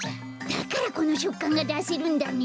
だからこのしょっかんがだせるんだね。